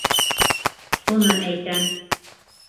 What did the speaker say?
Шуны әйтәм.